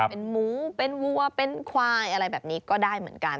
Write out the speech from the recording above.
เป็นหมูเป็นวัวเป็นควายอะไรแบบนี้ก็ได้เหมือนกัน